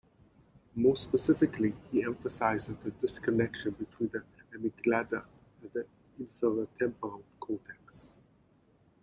More specifically, he emphasizes the disconnection between the amygdala and the inferotemporal cortex.